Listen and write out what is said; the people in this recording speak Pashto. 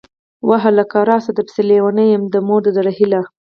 واه هلکه!!! راسه درپسې لېونۍ يه ، د مور د زړه هيلهٔ